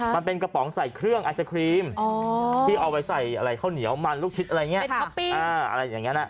มันเป็นกระป๋องใส่เครื่องไอศครีมที่เอาไปใส่อะไรข้าวเหนียวมันลูกชิ้นอะไรอย่างนี้นะ